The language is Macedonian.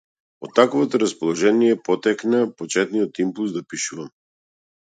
Од таквото расположение потекна почетниот импулс да пишувам.